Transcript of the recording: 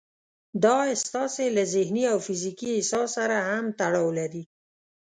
دا ستاسې له ذهني او فزيکي احساس سره هم تړاو لري.